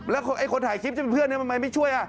แล้วคนถ่ายคลิปจะเป็นเพื่อนทำไมไม่ช่วย